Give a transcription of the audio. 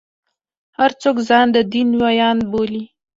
هر څوک ځان د دین ویاند بولي.